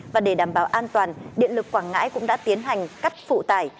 và để đảm bảo an toàn điện lực quảng ngãi cũng đã tiến hành cắt phụ tải